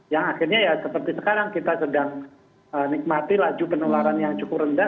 yang akhirnya ya seperti sekarang kita sedang nikmati laju penularan yang cukup rendah